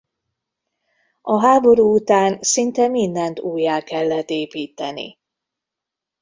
A háború után szinte mindent újjá kellett építeni.